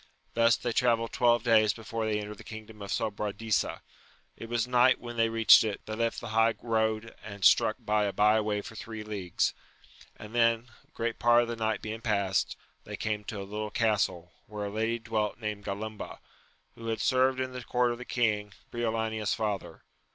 Thus they travelled twelve days before they entered the kingdom of Sobradisa ; it was night when they reached it : they left the high road, and struck by a by way for three leagues ; and then, great part of the night being past^ they came to a little castle, where a lady dwelt named Galumba, who had served in the court of the king, Briolania's father.